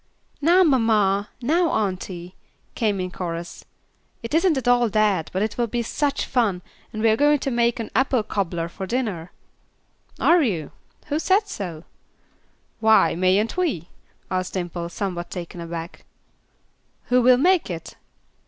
"Now mamma! Now auntie!" came in chorus. "It isn't that at all, but it will be such fun, and we are going to make an 'apple cobbler' for dinner." "Are you! Who said so?" "Why, mayn't we?" asked Dimple, somewhat taken aback. "Who will make it?"